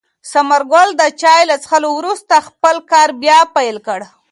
ثمر ګل د چای له څښلو وروسته خپل کار بیا پیل کړ.